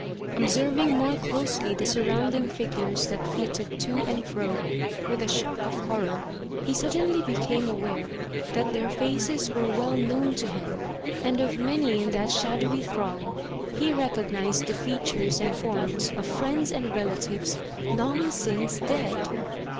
Observing more closely the surrounding figures that flitted to and fro, with a shock of horror he suddenly became aware that their faces were well known to him and of many in that shadowy throng he recog nized the features and forms of friends and relatives long since dead.